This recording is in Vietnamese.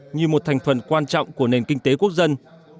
như một thành phần quan trọng của nền kinh tế quốc dân